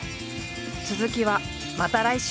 続きはまた来週。